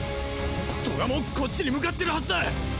トガもこっちに向かってるはずだ。